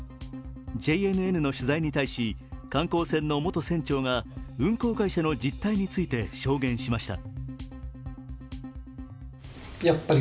ＪＮＮの取材に対し、観光船の元船長が運航会社の実態について証言しました。